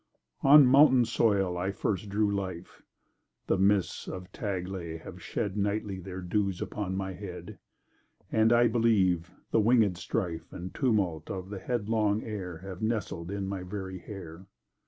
On mountain soil I first drew life: The mists of the Taglay have shed Nightly their dews upon my head, And, I believe, the wingèd strife And tumult of the headlong air Have nestled in my very hair.